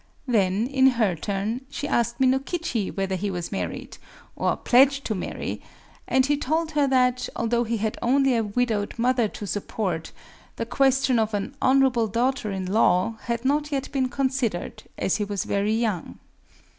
Then, in her turn, she asked Minokichi whether he was married, or pledged to marry; and he told her that, although he had only a widowed mother to support, the question of an "honorable daughter in law" had not yet been considered, as he was very young...